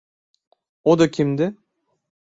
O da kimdi?